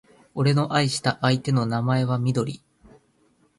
俺の愛した相手の名前はみどり